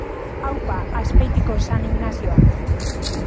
Aupa Azpeitiko San Ignazioak